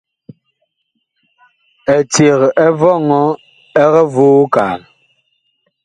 Eceg ɛ vɔŋɔ ɛg voo kaa.